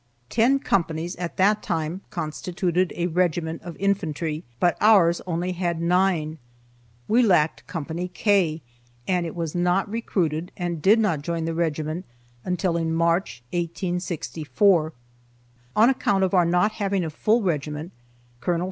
Ten companies, at that time, constituted a regiment of infantry, but ours had only nine. We lacked Company K, and it was not recruited, and did not join the regiment until in March, 1864. On account of our not having a full regiment, Col.